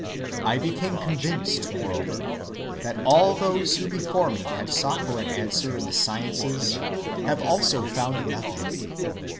I became convinced, moreover, that all those who before me had sought for an answer in the sciences have also found nothing.